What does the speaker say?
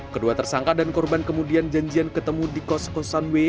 kedua tersangka dan korban kemudian janjian ketemu di kos kosan w